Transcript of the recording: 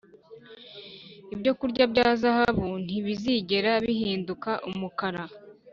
ibyokurya bya zahabu ntibizigera bihinduka umukara